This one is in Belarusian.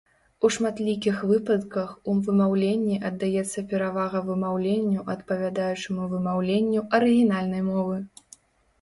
У шматлікіх выпадках у вымаўленні аддаецца перавага вымаўленню адпавядаючаму вымаўленню арыгінальнай мовы.